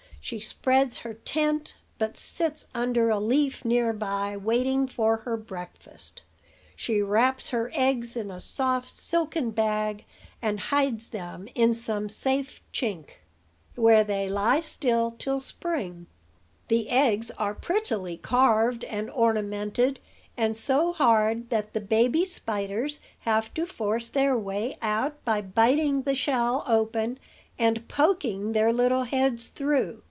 She spreads her tent, but sits under a leaf near by, waiting for her breakfast. She wraps her eggs in a soft silken bag, and hides them in some safe chink, where they lie till spring. The eggs are prettily carved and ornamented, and so hard that the baby spiders have to force their way out by biting the shell open and poking their little heads through.